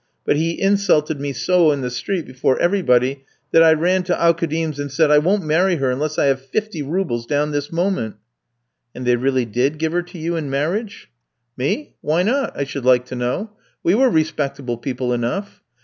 But he insulted me so in the street, before everybody, that I ran to Aukoudim's and said, 'I won't marry her unless I have fifty roubles down this moment.'" "And they really did give her to you in marriage?" "Me? Why not, I should like to know? We were respectable people enough.